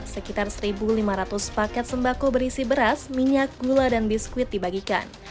sekitar satu lima ratus paket sembako berisi beras minyak gula dan biskuit dibagikan